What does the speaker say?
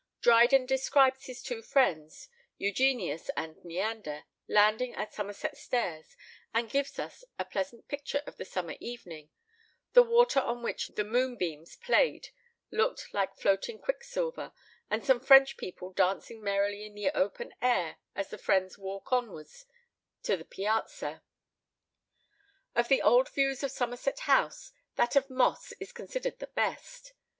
Dryden describes his two friends, Eugenius and Neander, landing at Somerset Stairs, and gives us a pleasant picture of the summer evening, the water on which the moonbeams played looked like floating quicksilver, and some French people dancing merrily in the open air as the friends walk onwards to the Piazza. Of the old views of Somerset House, that of Moss is considered the best.